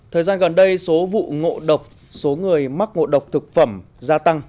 thời gian gần đây số vụ ngộ độc số người mắc ngộ độc thực phẩm gia tăng